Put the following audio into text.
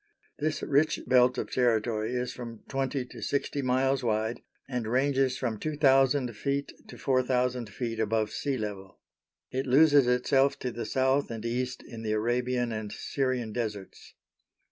This rich belt of territory is from twenty to sixty miles wide and ranges from 2,000 ft. to 4,000 ft. above sea level. It loses itself to the South and East in the Arabian and Syrian Deserts.